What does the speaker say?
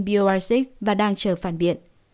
bior sáu và đang chờ phản biện